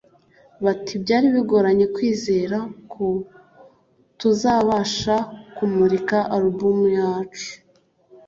Bati “Byari bigoranye kwizera ko tuzabasha kumurika Album yacu